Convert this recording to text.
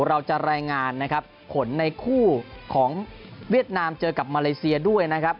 เราจะรายงานนะครับผลในคู่ของเวียดนามเจอกับมาเลเซียด้วยนะครับ